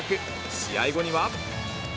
試合後には。